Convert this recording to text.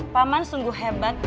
paman sungguh hebat